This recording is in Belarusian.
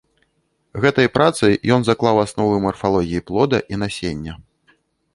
Гэтай працай ён заклаў асновы марфалогіі плода і насення.